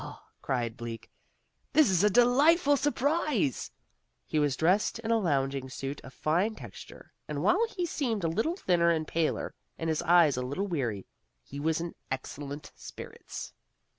cried Bleak. "This is a delightful surprise!" He was dressed in a lounging suit of fine texture, and while he seemed a little thinner and paler, and his eyes a little weary, he was in excellent spirits.